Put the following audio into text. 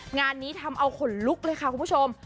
งานนี้ทำเอาขนลุกเลยค่ะคุณผู้ชม